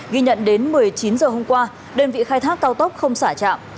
ghi nhận đến một mươi chín h hôm qua đơn vị khai thác cao tốc không xả trạm